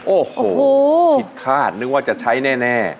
โอ้โหผิดคาดนึกว่าจะใช้แน่